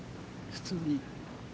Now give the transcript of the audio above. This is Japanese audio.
普通に。